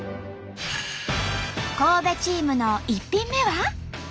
神戸チームの１品目は？